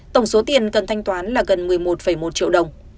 tổng số tiền cần thanh toán là gần một mươi một một triệu đồng